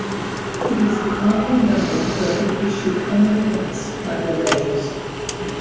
It is the only number to have been issued only once by the Rays.